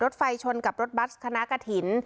รถไฟชนกับรถบัสคณะกระถิ่น